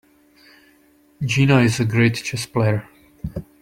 Gina is a great chess player.